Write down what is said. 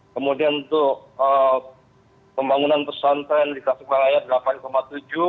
kemudian untuk pembangunan pesantren di kasuk bangayat rp delapan tujuh miliar